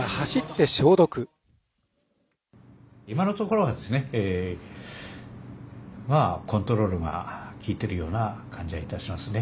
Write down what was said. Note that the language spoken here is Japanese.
今のところはですねコントロールが効いているような感じがいたしますね。